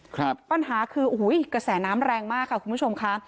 ครับปัญหาคือโอ้โหกระแสน้ำแรงมากค่ะคุณผู้ชมค่ะ